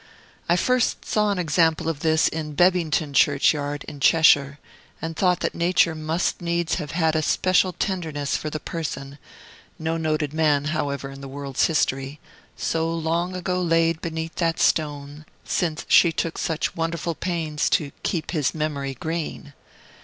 I first saw an example of this in Bebbington churchyard, in Cheshire, and thought that Nature must needs have had a special tenderness for the person (no noted man, however, in the world's history) so long ago laid beneath that stone, since she took such wonderful pains to "keep his memory green."